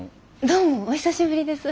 どうもお久しぶりです。